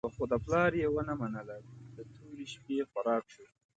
خو د پلار یې ونه منله، د تورې شپې خوراک شو.